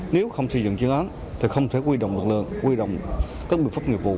nếu không xây dựng chuyên án thì không thể quy động lực lượng quy động các biện pháp nghiệp vụ